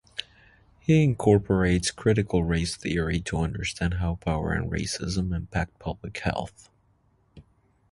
He incorporates critical race theory to understand how power and racism impact public health.